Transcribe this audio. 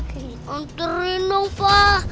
keren dong pak